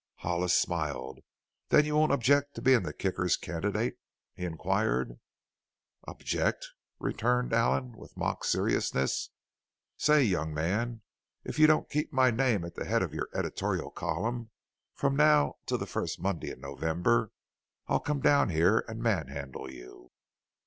Hollis smiled. "Then you won't object to being the Kicker's candidate?" he inquired. "Object!" returned Allen with mock seriousness. "Say, young man, if you don't keep my name at the head of your editorial column from now till the first Monday in November I'll come down here and manhandle you!"